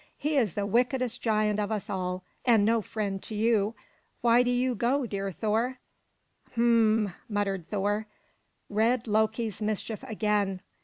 "He is the wickedest giant of us all, and no friend to you. Why do you go, dear Thor?" "H'm!" muttered Thor. "Red Loki's mischief again!"